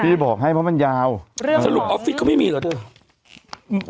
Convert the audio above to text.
พี่บอกให้เพราะมันยาวเรื่องของสรุปอฟฟิศเขาไม่มีหรอเถอะ